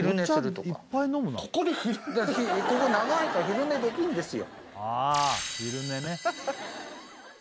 ここ長いから昼寝できるんですよ。